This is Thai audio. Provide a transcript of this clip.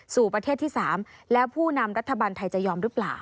สู่ประเทศที่๓แล้วผู้นำรัฐบาลไทยจะยอมหรือเปล่า